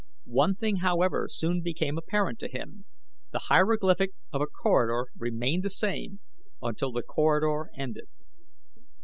One thing, however, soon became apparent to him the hieroglyphic of a corridor remained the same until the corridor ended.